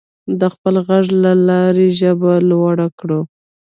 د خپل غږ له لارې ژبه لوړه کړو.